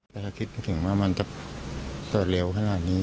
แต่ถ้าคิดไม่ถึงว่ามันจะเกิดเร็วขนาดนี้